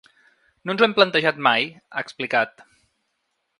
No ens ho hem plantejat mai, ha explicat.